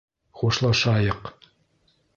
Хушлашайыҡ